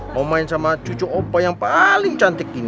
mau main sama cucu opa yang paling cantik ini